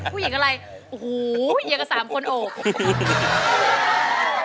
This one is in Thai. ผู้หญิงก็ไหร้โอ้โหอย่างกับ๓คนโอบ